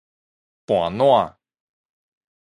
盤撋